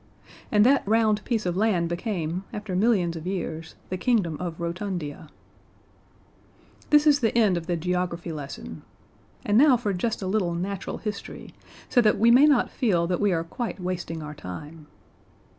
And that round piece of land became, after millions of years, the Kingdom of Rotundia. This is the end of the geography lesson. And now for just a little natural history, so that we may not feel that we are quite wasting our time.